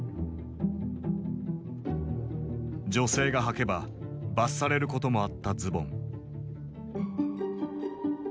女性がはけば罰されることもあったズボン。